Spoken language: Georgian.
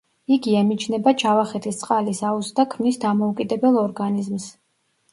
იგი ემიჯნება ჯავახეთის წყალის აუზს და ქმნის დამოუკიდებელ ორგანიზმს.